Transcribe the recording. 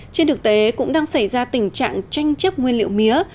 trên thực tế cũng đang xảy ra tình trạng tranh chấp nguyên liệu mía